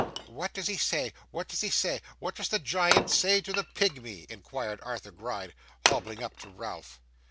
'What does he say, what does he say? What does the giant say to the pigmy?' inquired Arthur Gride, hobbling up to Ralph.